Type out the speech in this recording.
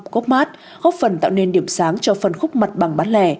gopmart góp phần tạo nên điểm sáng cho phần khúc mặt bằng bán lẻ